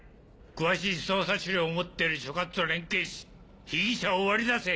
詳しい捜査資料を持ってる所轄と連携し被疑者を割り出せ。